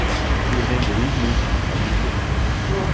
He was named league newcomer of the year.